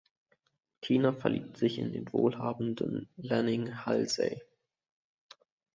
Tina verliebt sich in den wohlhabenden Lanning Halsey.